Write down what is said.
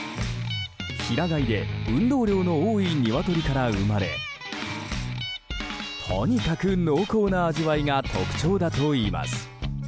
平飼いで運動量の多いニワトリから生まれとにかく濃厚な味わいが特徴だといいます。